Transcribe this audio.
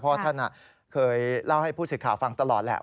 เพราะท่านเคยเล่าให้ผู้สื่อข่าวฟังตลอดแหละ